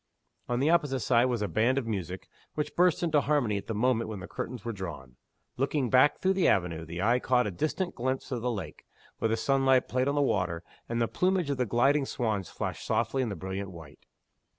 On the opposite side was a band of music, which burst into harmony at the moment when the curtains were drawn. Looking back through the avenue, the eye caught a distant glimpse of the lake, where the sunlight played on the water, and the plumage of the gliding swans flashed softly in brilliant white.